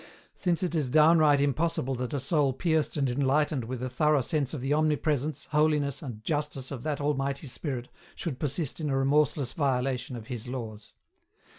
Since it is downright impossible that a soul pierced and enlightened with a thorough sense of the omnipresence, holiness, and justice of that Almighty Spirit should persist in a remorseless violation of His laws.